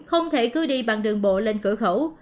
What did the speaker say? không thể cứ đi bằng đường bộ lên cửa khẩu